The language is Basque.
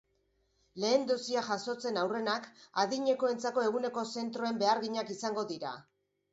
Lehen dosia jasotzen aurrenak adinekoentzako eguneko zentroen beharginak izango dira.